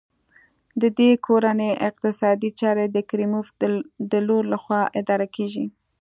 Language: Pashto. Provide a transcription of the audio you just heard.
د دې کورنۍ اقتصادي چارې د کریموف د لور لخوا اداره کېږي.